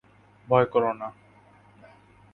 ভয় কোরো না।